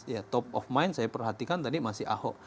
ya top of mind saya perhatikan tadi masih ahok